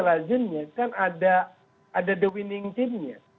lajunnya kan ada the winning team nya